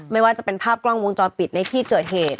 ไม่ว่าจะเป็นภาพกล้องวงจรปิดในที่เกิดเหตุ